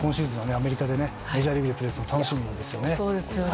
アメリカでメジャーリーグでプレーするのが楽しみですね。